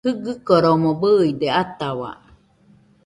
Jɨgɨkoromo bɨide atahau